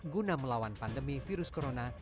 guna melawan pandemi virus corona